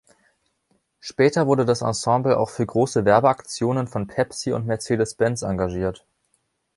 Später wurde das Ensemble auch für große Werbeaktionen von Pepsi und Mercedes-Benz engagiert.